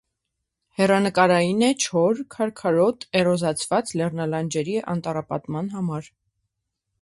Հեռանկարային է չոր, քարքարոտ, էրոզացված լեռնալանջերի անտառապատման համար։